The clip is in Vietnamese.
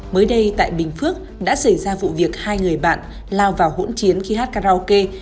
mới đây tại bình phước đã xảy ra vụ việc hai người bạn lao vào hỗn chiến khi hát karaoke